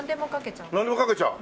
なんでもかけちゃう。